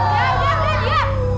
jangan dev diam